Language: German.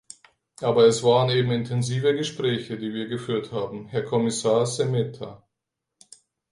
Aber es waren eben intensive Gespräche, die wir geführt haben, Herr Kommissar Šemeta.